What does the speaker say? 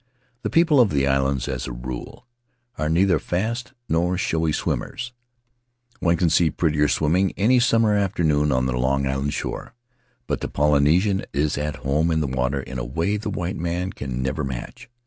The people of the islands, as a rule, are neither fast nor showy swimmers; one can see prettier swimming any summer afternoon on the Long Island shore, but the Polynesian is at home in the water in a way the white man can never match.